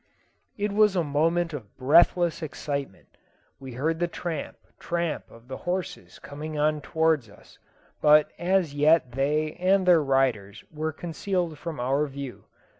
It was a moment of breathless excitement. We heard the tramp, tramp of the horses coming on towards us, but as yet they and their riders were concealed from our view.